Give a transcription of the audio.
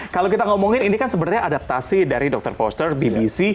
kalau kita ngomongin ini kan sebenarnya adaptasi dari dokter foster bbc